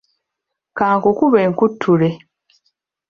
Kankukube nkuttule.